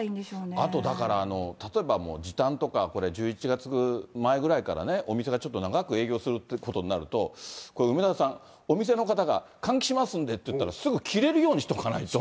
あとだから、例えばもう時短とか１１月前ぐらいからね、お店がちょっと長く営業するっていうことになると、梅沢さん、お店の方が、換気しますんでって言ったら、そうですね。